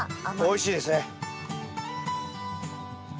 おいしいですね。